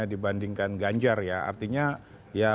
dibandingkan ganjar ya artinya